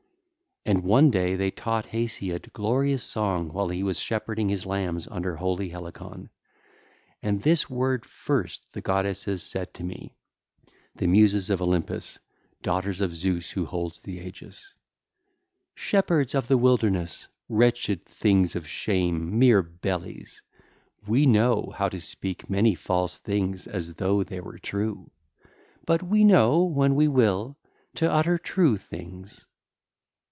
And one day they taught Hesiod glorious song while he was shepherding his lambs under holy Helicon, and this word first the goddesses said to me—the Muses of Olympus, daughters of Zeus who holds the aegis: (ll. 26 28) 'Shepherds of the wilderness, wretched things of shame, mere bellies, we know how to speak many false things as though they were true; but we know, when we will, to utter true things.